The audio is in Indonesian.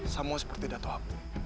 semua seperti datuk abu